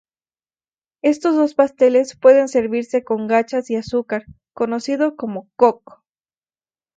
Estos dos pasteles pueden servirse con gachas y azúcar, conocido como "koko".